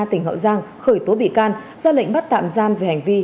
tỉnh hậu giang khởi tố bị can ra lệnh bắt tạm giam về hành vi